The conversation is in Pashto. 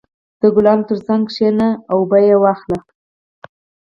• د ګلانو تر څنګ کښېنه او بوی یې واخله.